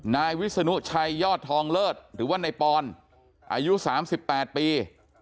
นายวิศนุชัยยอดทองเลิศหรือว่านายปอนอายุ๓๘ปี